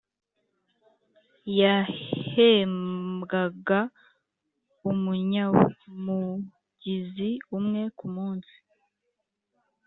yahembwaga umunyamubyizi umwe kumunsi,